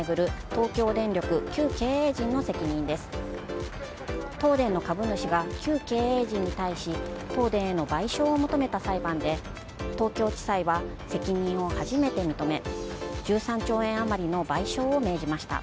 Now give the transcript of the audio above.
東電の株主が旧経営陣に対し東電への賠償を求めた裁判で東京地裁は責任を初めて認め１３兆円余りの賠償を命じました。